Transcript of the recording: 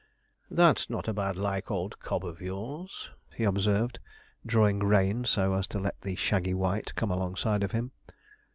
'That's not a bad like old cob of yours,' he observed, drawing rein so as to let the shaggy white come alongside of him.